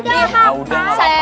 bisa ustaz jah